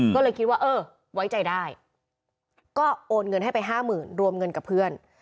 ก็เลยคิดว่าเออไว้ใจได้ก็โอนเงินให้ไปห้าหมื่นรวมเงินกับเพื่อน